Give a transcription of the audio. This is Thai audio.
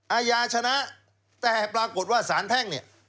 อาญาชนะแต่ปรากฏว่าสารแพ่งเนี่ย